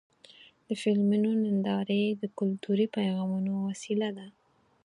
د فلمونو نندارې د کلتوري پیغامونو وسیله ده.